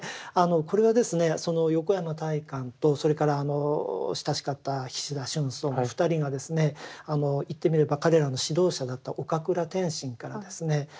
これはですね横山大観とそれから親しかった菱田春草の２人がですね言ってみれば彼らの指導者だった岡倉天心からですね